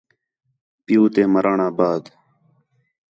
پِیّو تے مرݨ آ بعد